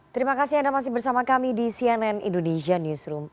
terima kasih anda masih bersama kami di cnn indonesia newsroom